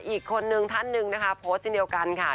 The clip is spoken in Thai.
อีกคนนึงท่านหนึ่งนะคะโพสต์เช่นเดียวกันค่ะ